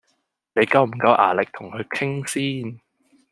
你夠唔夠牙力同佢傾先？